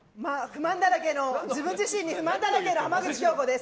自分自身に不満だらけの浜口京子です。